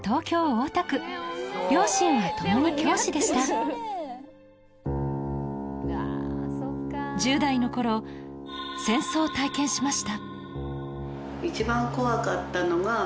両親は共に教師でした１０代の頃戦争を体験しました